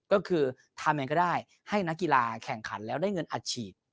ก็คือทำยังไงก็ได้ให้นักกีฬาแข่งขันแล้วได้เงินอัดฉีด